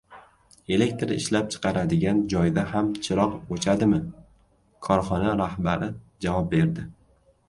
Elektr ishlab chiqaradigan joyda ham chiroq o‘chadimi? Korxona rahbari javob berdi